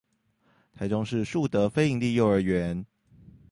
臺中市樹德非營利幼兒園